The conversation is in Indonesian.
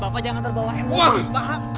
bapak jangan terbawa bawa